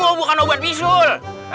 itu bukan obat bisul